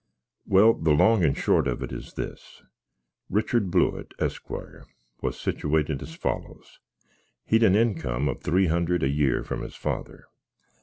Well, the long and short of it is this. Richard Blewitt, esquire, was sityouated as follows: He'd an inkum of three hunderd a year from his father.